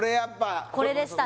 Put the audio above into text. これでしたね